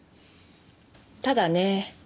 ただね